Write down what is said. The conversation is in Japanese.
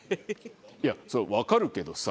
いやそれわかるけどさ。